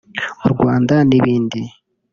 U Rwanda n’ibindi